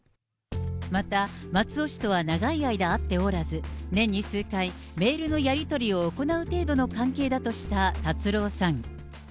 また松尾氏とは長い間会っておらず、年に数回、メールのやり取りを行う程度の関係だとした達郎さん。